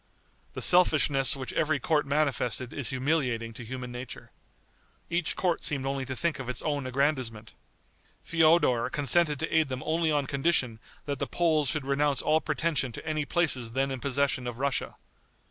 The selfishness which every court manifested is humiliating to human nature. Each court seemed only to think of its own aggrandizement. Feodor consented to aid them only on condition that the Poles should renounce all pretension to any places then in possession of Russia.